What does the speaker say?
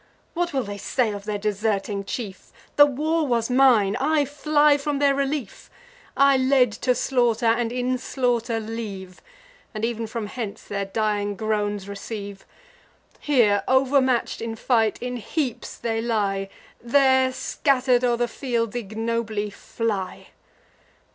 What will they say of their deserting chief The war was mine: I fly from their relief; I led to slaughter, and in slaughter leave; And ev'n from hence their dying groans receive. Here, overmatch'd in fight, in heaps they lie; There, scatter'd o'er the fields, ignobly fly.